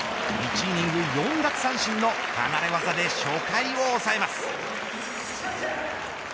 １イニング４奪三振の離れ技で初回を抑えます。